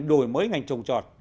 đổi mới ngành trồng trọt